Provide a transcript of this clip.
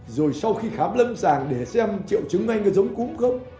rồi sau khi khám lâm sàng để xem triệu chứng anh có giống cúm không